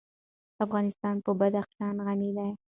افغانستان په بدخشان غني دی.